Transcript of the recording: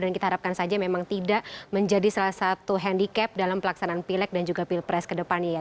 dan kita harapkan saja memang tidak menjadi salah satu handicap dalam pelaksanaan pileg dan juga pilpres kedepannya